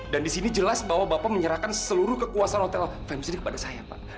dan disini jelas bahwa bapak menyerahkan seluruh kekuasaan hotel venus ini kepada saya pak